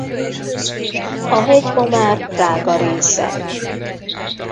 A hegy ma már Prága része.